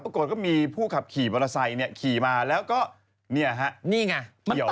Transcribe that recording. ปรากฏก็มีผู้ขับขี่มอเตอร์ไซค์ขี่มาแล้วก็เกี่ยวไปแล้ว